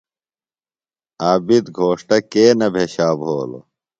عابد گھوݜٹہ کے نہ بھیشا بھولوۡ؟